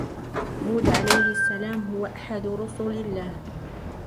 هود عليه السلام هو أحد رسل الله.